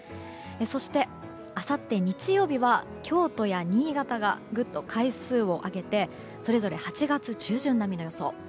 そして、あさって日曜日は京都や新潟がぐっと階数を上げてそれぞれ８月中旬並みの予想。